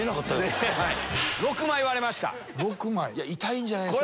痛いんじゃないですか？